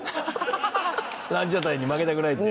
ランジャタイに負けたくないって？